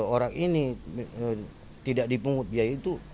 orang ini tidak dipungut biaya itu